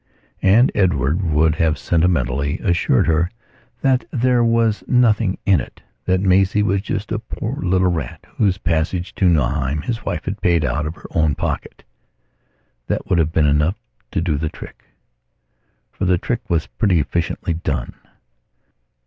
And Edward would have sentimentally assured her that there was nothing in it; that Maisie was just a poor little rat whose passage to Nauheim his wife had paid out of her own pocket. That would have been enough to do the trick. For the trick was pretty efficiently done.